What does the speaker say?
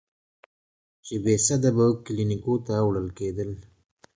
چې بېسده به کلينيکو ته وړل کېدل.